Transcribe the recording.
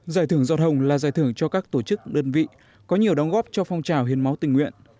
giải thưởng giọt hồng là giải thưởng cho các tổ chức đơn vị có nhiều đóng góp cho phong trào hiến máu tình nguyện